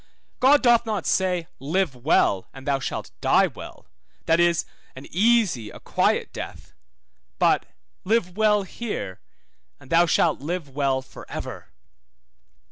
God doth not say, Live well, and thou shalt die well, that is, an easy, a quiet death; but, Live well here, and thou shalt live well for ever.